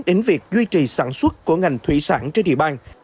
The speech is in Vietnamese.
đến việc duy trì sản xuất của ngành thủy sản trên địa bàn